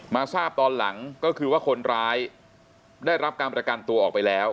มาทราบตอนหลังก็คือว่าคนร้ายได้รับการประกันตัวออกไปแล้ว